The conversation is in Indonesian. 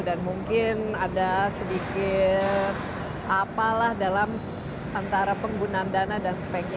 mungkin ada sedikit apalah dalam antara penggunaan dana dan sebagainya